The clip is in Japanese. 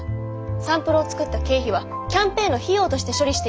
サンプルを作った経費はキャンペーンの費用として処理していました。